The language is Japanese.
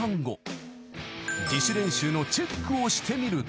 ［自主練習のチェックをしてみると］